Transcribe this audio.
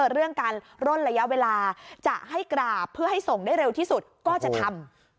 เรื่องการร่นระยะเวลาจะให้กราบเพื่อให้ส่งได้เร็วที่สุดก็จะทำ